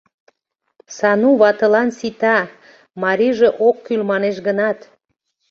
Сану ватылан сита — марийже ок кӱл манеш гынат.